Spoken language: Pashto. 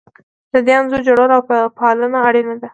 د دې انځور جوړول او پالنه اړینه ده.